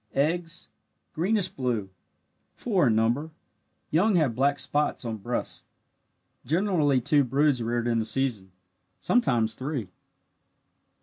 Eggs greenish blue four in number young have black spots on breast generally two broods reared in a season sometimes three.